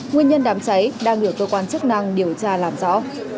nguyên nhân đám cháy đang được cơ quan chức năng điều tra làm rõ